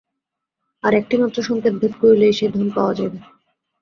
আর একটিমাত্র সংকেত ভেদ করিলেই সেই ধন পাওয়া যাইবে।